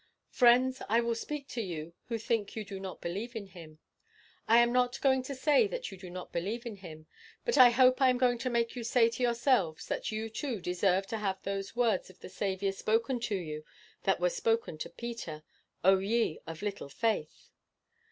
Friends, I will speak to you who think you do believe in him. I am not going to say that you do not believe in him; but I hope I am going to make you say to yourselves that you too deserve to have those words of the Saviour spoken to you that were spoken to Peter, 'O ye of little faith!